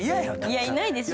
いやいないですよ。